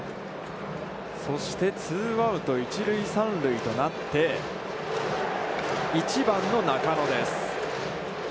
そしてツーアウト、一塁三塁となって、１番の中野です。